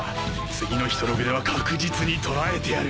次のヒトログでは確実に捉えてやる。